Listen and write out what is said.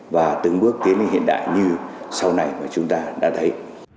và từng bước tiến lên hiện đại như sau này mà chúng ta đã thấy